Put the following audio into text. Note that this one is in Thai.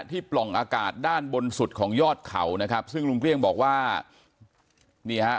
ปล่องอากาศด้านบนสุดของยอดเขานะครับซึ่งลุงเกลี้ยงบอกว่านี่ฮะ